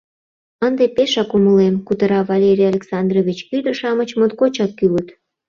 — Ынде пешак умылем, — кутыра Валерий Александрович, — ӱдыр-шамыч моткочак кӱлыт.